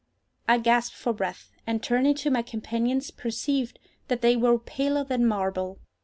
I gasped for breath, and turning to my companions, perceived that they were paler than marble.